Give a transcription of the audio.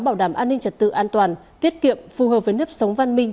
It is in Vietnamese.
bảo đảm an ninh trật tự an toàn tiết kiệm phù hợp với nếp sống văn minh